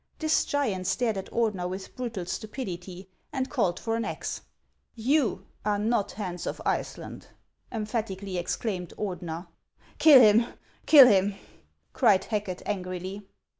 This giant stared at Ordener with brutal stupidity, and called for an axe. " You are not Hans of Iceland !" emphatically ex claimed Ordener. " Kill him ! kill him !" cried Hacket, angrily.